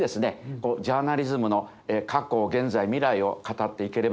ジャーナリズムの過去現在未来を語っていければなと思っております。